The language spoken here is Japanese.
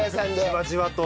じわじわと。